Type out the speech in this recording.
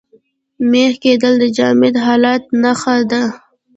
مېخ کېدل د جامد حالت نخښه ده.